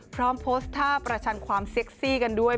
พร้อมโพสต์ท่าประชันความเซ็กซี่กันด้วย